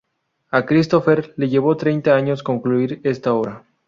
A Christopher le llevó treinta años concluir esta obra.